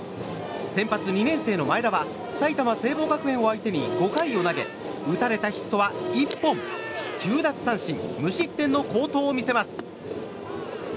先発、２年生の前田は埼玉・聖望学園を相手に５回を投げ打たれたヒットは１本９奪三振、無失点の好投を見せます。